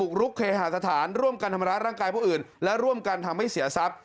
รุกเคหาสถานร่วมกันทำร้ายร่างกายผู้อื่นและร่วมกันทำให้เสียทรัพย